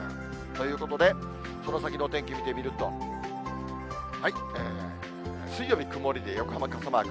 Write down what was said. ということで、その先のお天気見てみると、水曜日曇りで、横浜傘マーク。